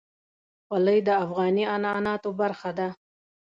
خولۍ د افغاني عنعناتو برخه ده.